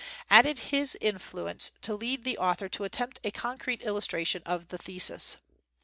added his influence to lead the author to attempt a concrete illustration of the thesis.